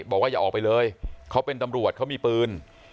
บอกว่าอย่าออกไปเลยเขาเป็นตำรวจเขามีปืน